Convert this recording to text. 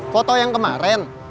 foto yang kemarin